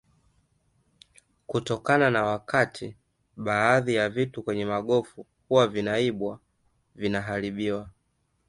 kutokana na wakati baadhi ya vitu kwenye magofu hayo vinaibwa vinaharibiwa